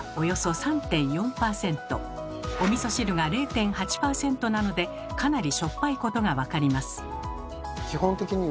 おみそ汁が０．８％なのでかなりしょっぱいことがわかります。